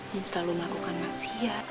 yang selalu melakukan maksiat